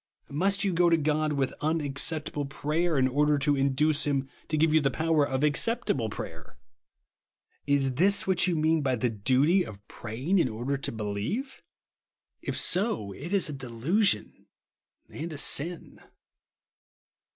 Must you go to God with unac ceptahle prayer, in order to induce him to give you the power of acceptable prayer ? Is this what you mean by the duty of praying in order to believe ? If so, it is a delusion and a sin.